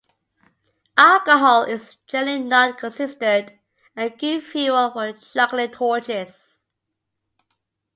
Alcohol is generally not considered a good fuel for juggling torches.